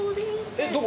えっどこ？